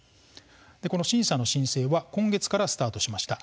この審査の申請は今月からスタートしました。